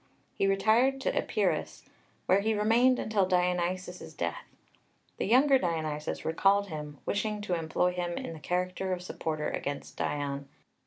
He retired to Epirus, where he remained until Dionysius's death. The younger Dionysius recalled him, wishing to employ him in the character of supporter against Dion.